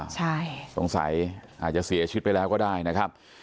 ใช่สงสัยอาจจะเสียชีวิตไปแล้วก็ได้นะครับ